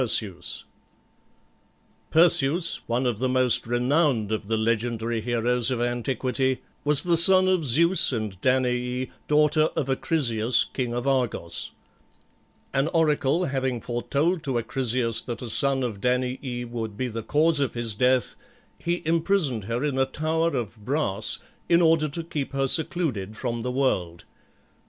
PERSEUS. Perseus, one of the most renowned of the legendary heroes of antiquity, was the son of Zeus and Danaë, daughter of Acrisius, king of Argos. An oracle having foretold to Acrisius that a son of Danaë would be the cause of his death, he imprisoned her in a tower of brass in order to keep her secluded from the world.